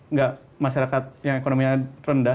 nggak masyarakat yang ekonominya rendah